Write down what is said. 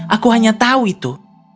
aku hanya tahu itu